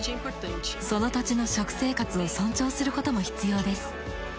その土地の食生活を尊重することも必要です。